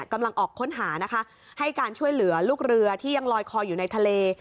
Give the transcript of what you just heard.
กำลังออกค้นหานะคะให้การช่วยเหลือลูกเรือที่ยังลอยคออยู่ในทะเล